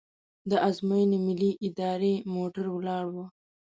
د ازموینې ملي ادارې موټر ولاړ و.